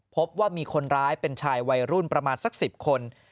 พบว่ามีคนร้ายเป็นชายวัยรุ่นประมาณสัก๑๐คน